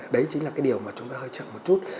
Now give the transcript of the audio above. đấy chính là cái điều mà chúng ta hơi chậm một chút